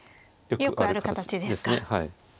よくある形ですか。